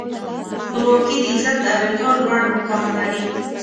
خپلواکي د عزت او وقار لوړ مقام لري.